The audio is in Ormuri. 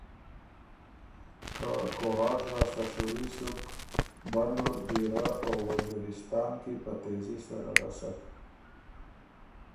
که کوهاټ لاسته شُوري سُک بنوں، دیرۀ او وزیرستان کی په تېزي سره رسک۔